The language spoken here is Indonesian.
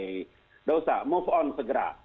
tidak usah move on segera